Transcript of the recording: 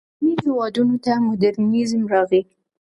اسلامي هېوادونو ته مډرنیزم راغی.